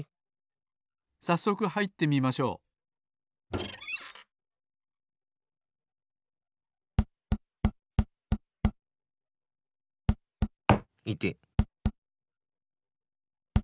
さっそくはいってみましょういてっ！